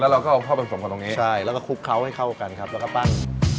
เราก็เอาเข้าผสมกันตรงนี้ใช่แล้วก็คลุกเคล้าให้เข้ากันครับแล้วก็ปั้น